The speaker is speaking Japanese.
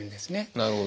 なるほど。